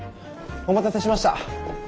お待たせしました。